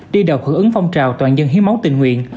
đi đầu hưởng ứng phong trào toàn dân hiến máu tình nguyện